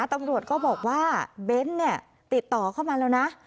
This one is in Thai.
ตำรวจก็บอกว่าเบ้นเนี่ยติดต่อเข้ามาแล้วนะ